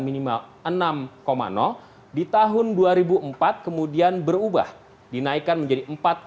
minimal enam di tahun dua ribu empat kemudian berubah dinaikkan menjadi empat tiga